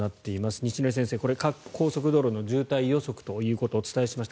西成先生、各高速道路の渋滞予測をお伝えしました。